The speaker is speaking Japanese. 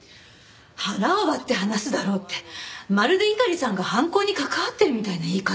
腹を割って話すだろうってまるで猪狩さんが犯行に関わってるみたいな言い方。